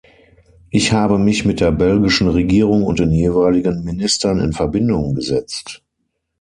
Ich habe mich mit der belgischen Regierung und den jeweiligen Ministern in Verbindung gesetzt.